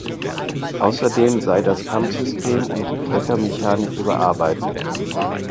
Außerdem sei das Kampfsystem und die Klettermechanik überarbeitet.